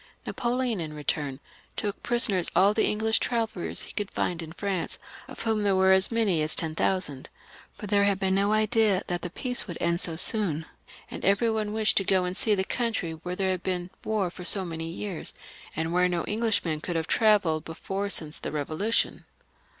Napoleon, in return, took prisoners all the English travellers he could find in France, of whom L.] DIRECTOR V AND CONSULA TE. 4311 / there were as many as ten thousand, for there had been no idea that the peace would end so soon, and every one wished to go and see the country where there had been war for so many years, and where no Englishman could have travelled before since the Eevolution.